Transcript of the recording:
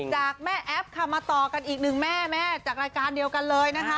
จากแม่แอปค่ะมาต่อกันอีกหนึ่งแม่แม่จากรายการเดียวกันเลยนะคะ